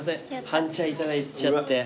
半チャいただいちゃって。